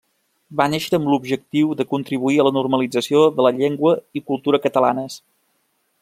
Va néixer amb l'objectiu de contribuir a la normalització de la llengua i cultura catalanes.